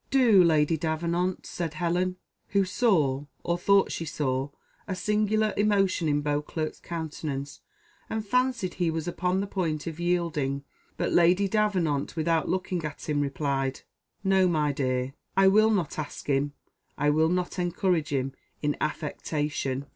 "Do, Lady Davenant," said Helen, who saw, or thought she saw, a singular emotion in Beauclerc's countenance, and fancied he was upon the point of yielding; but Lady Davenant, without looking at him, replied, "No, my dear, I will not ask him I will not encourage him in affectation."